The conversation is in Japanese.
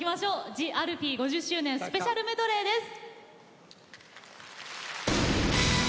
ＴＨＥＡＬＦＥＥで５０周年スペシャルメドレーです。